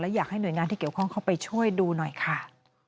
อยากให้หน่วยงานที่เกี่ยวข้องเข้าไปช่วยดูหน่อยค่ะ